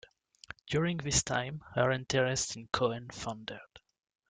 During this time, her interest in Cohen foundered.